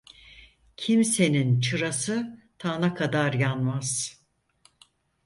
Kimsenin çırası tana kadar yanmaz.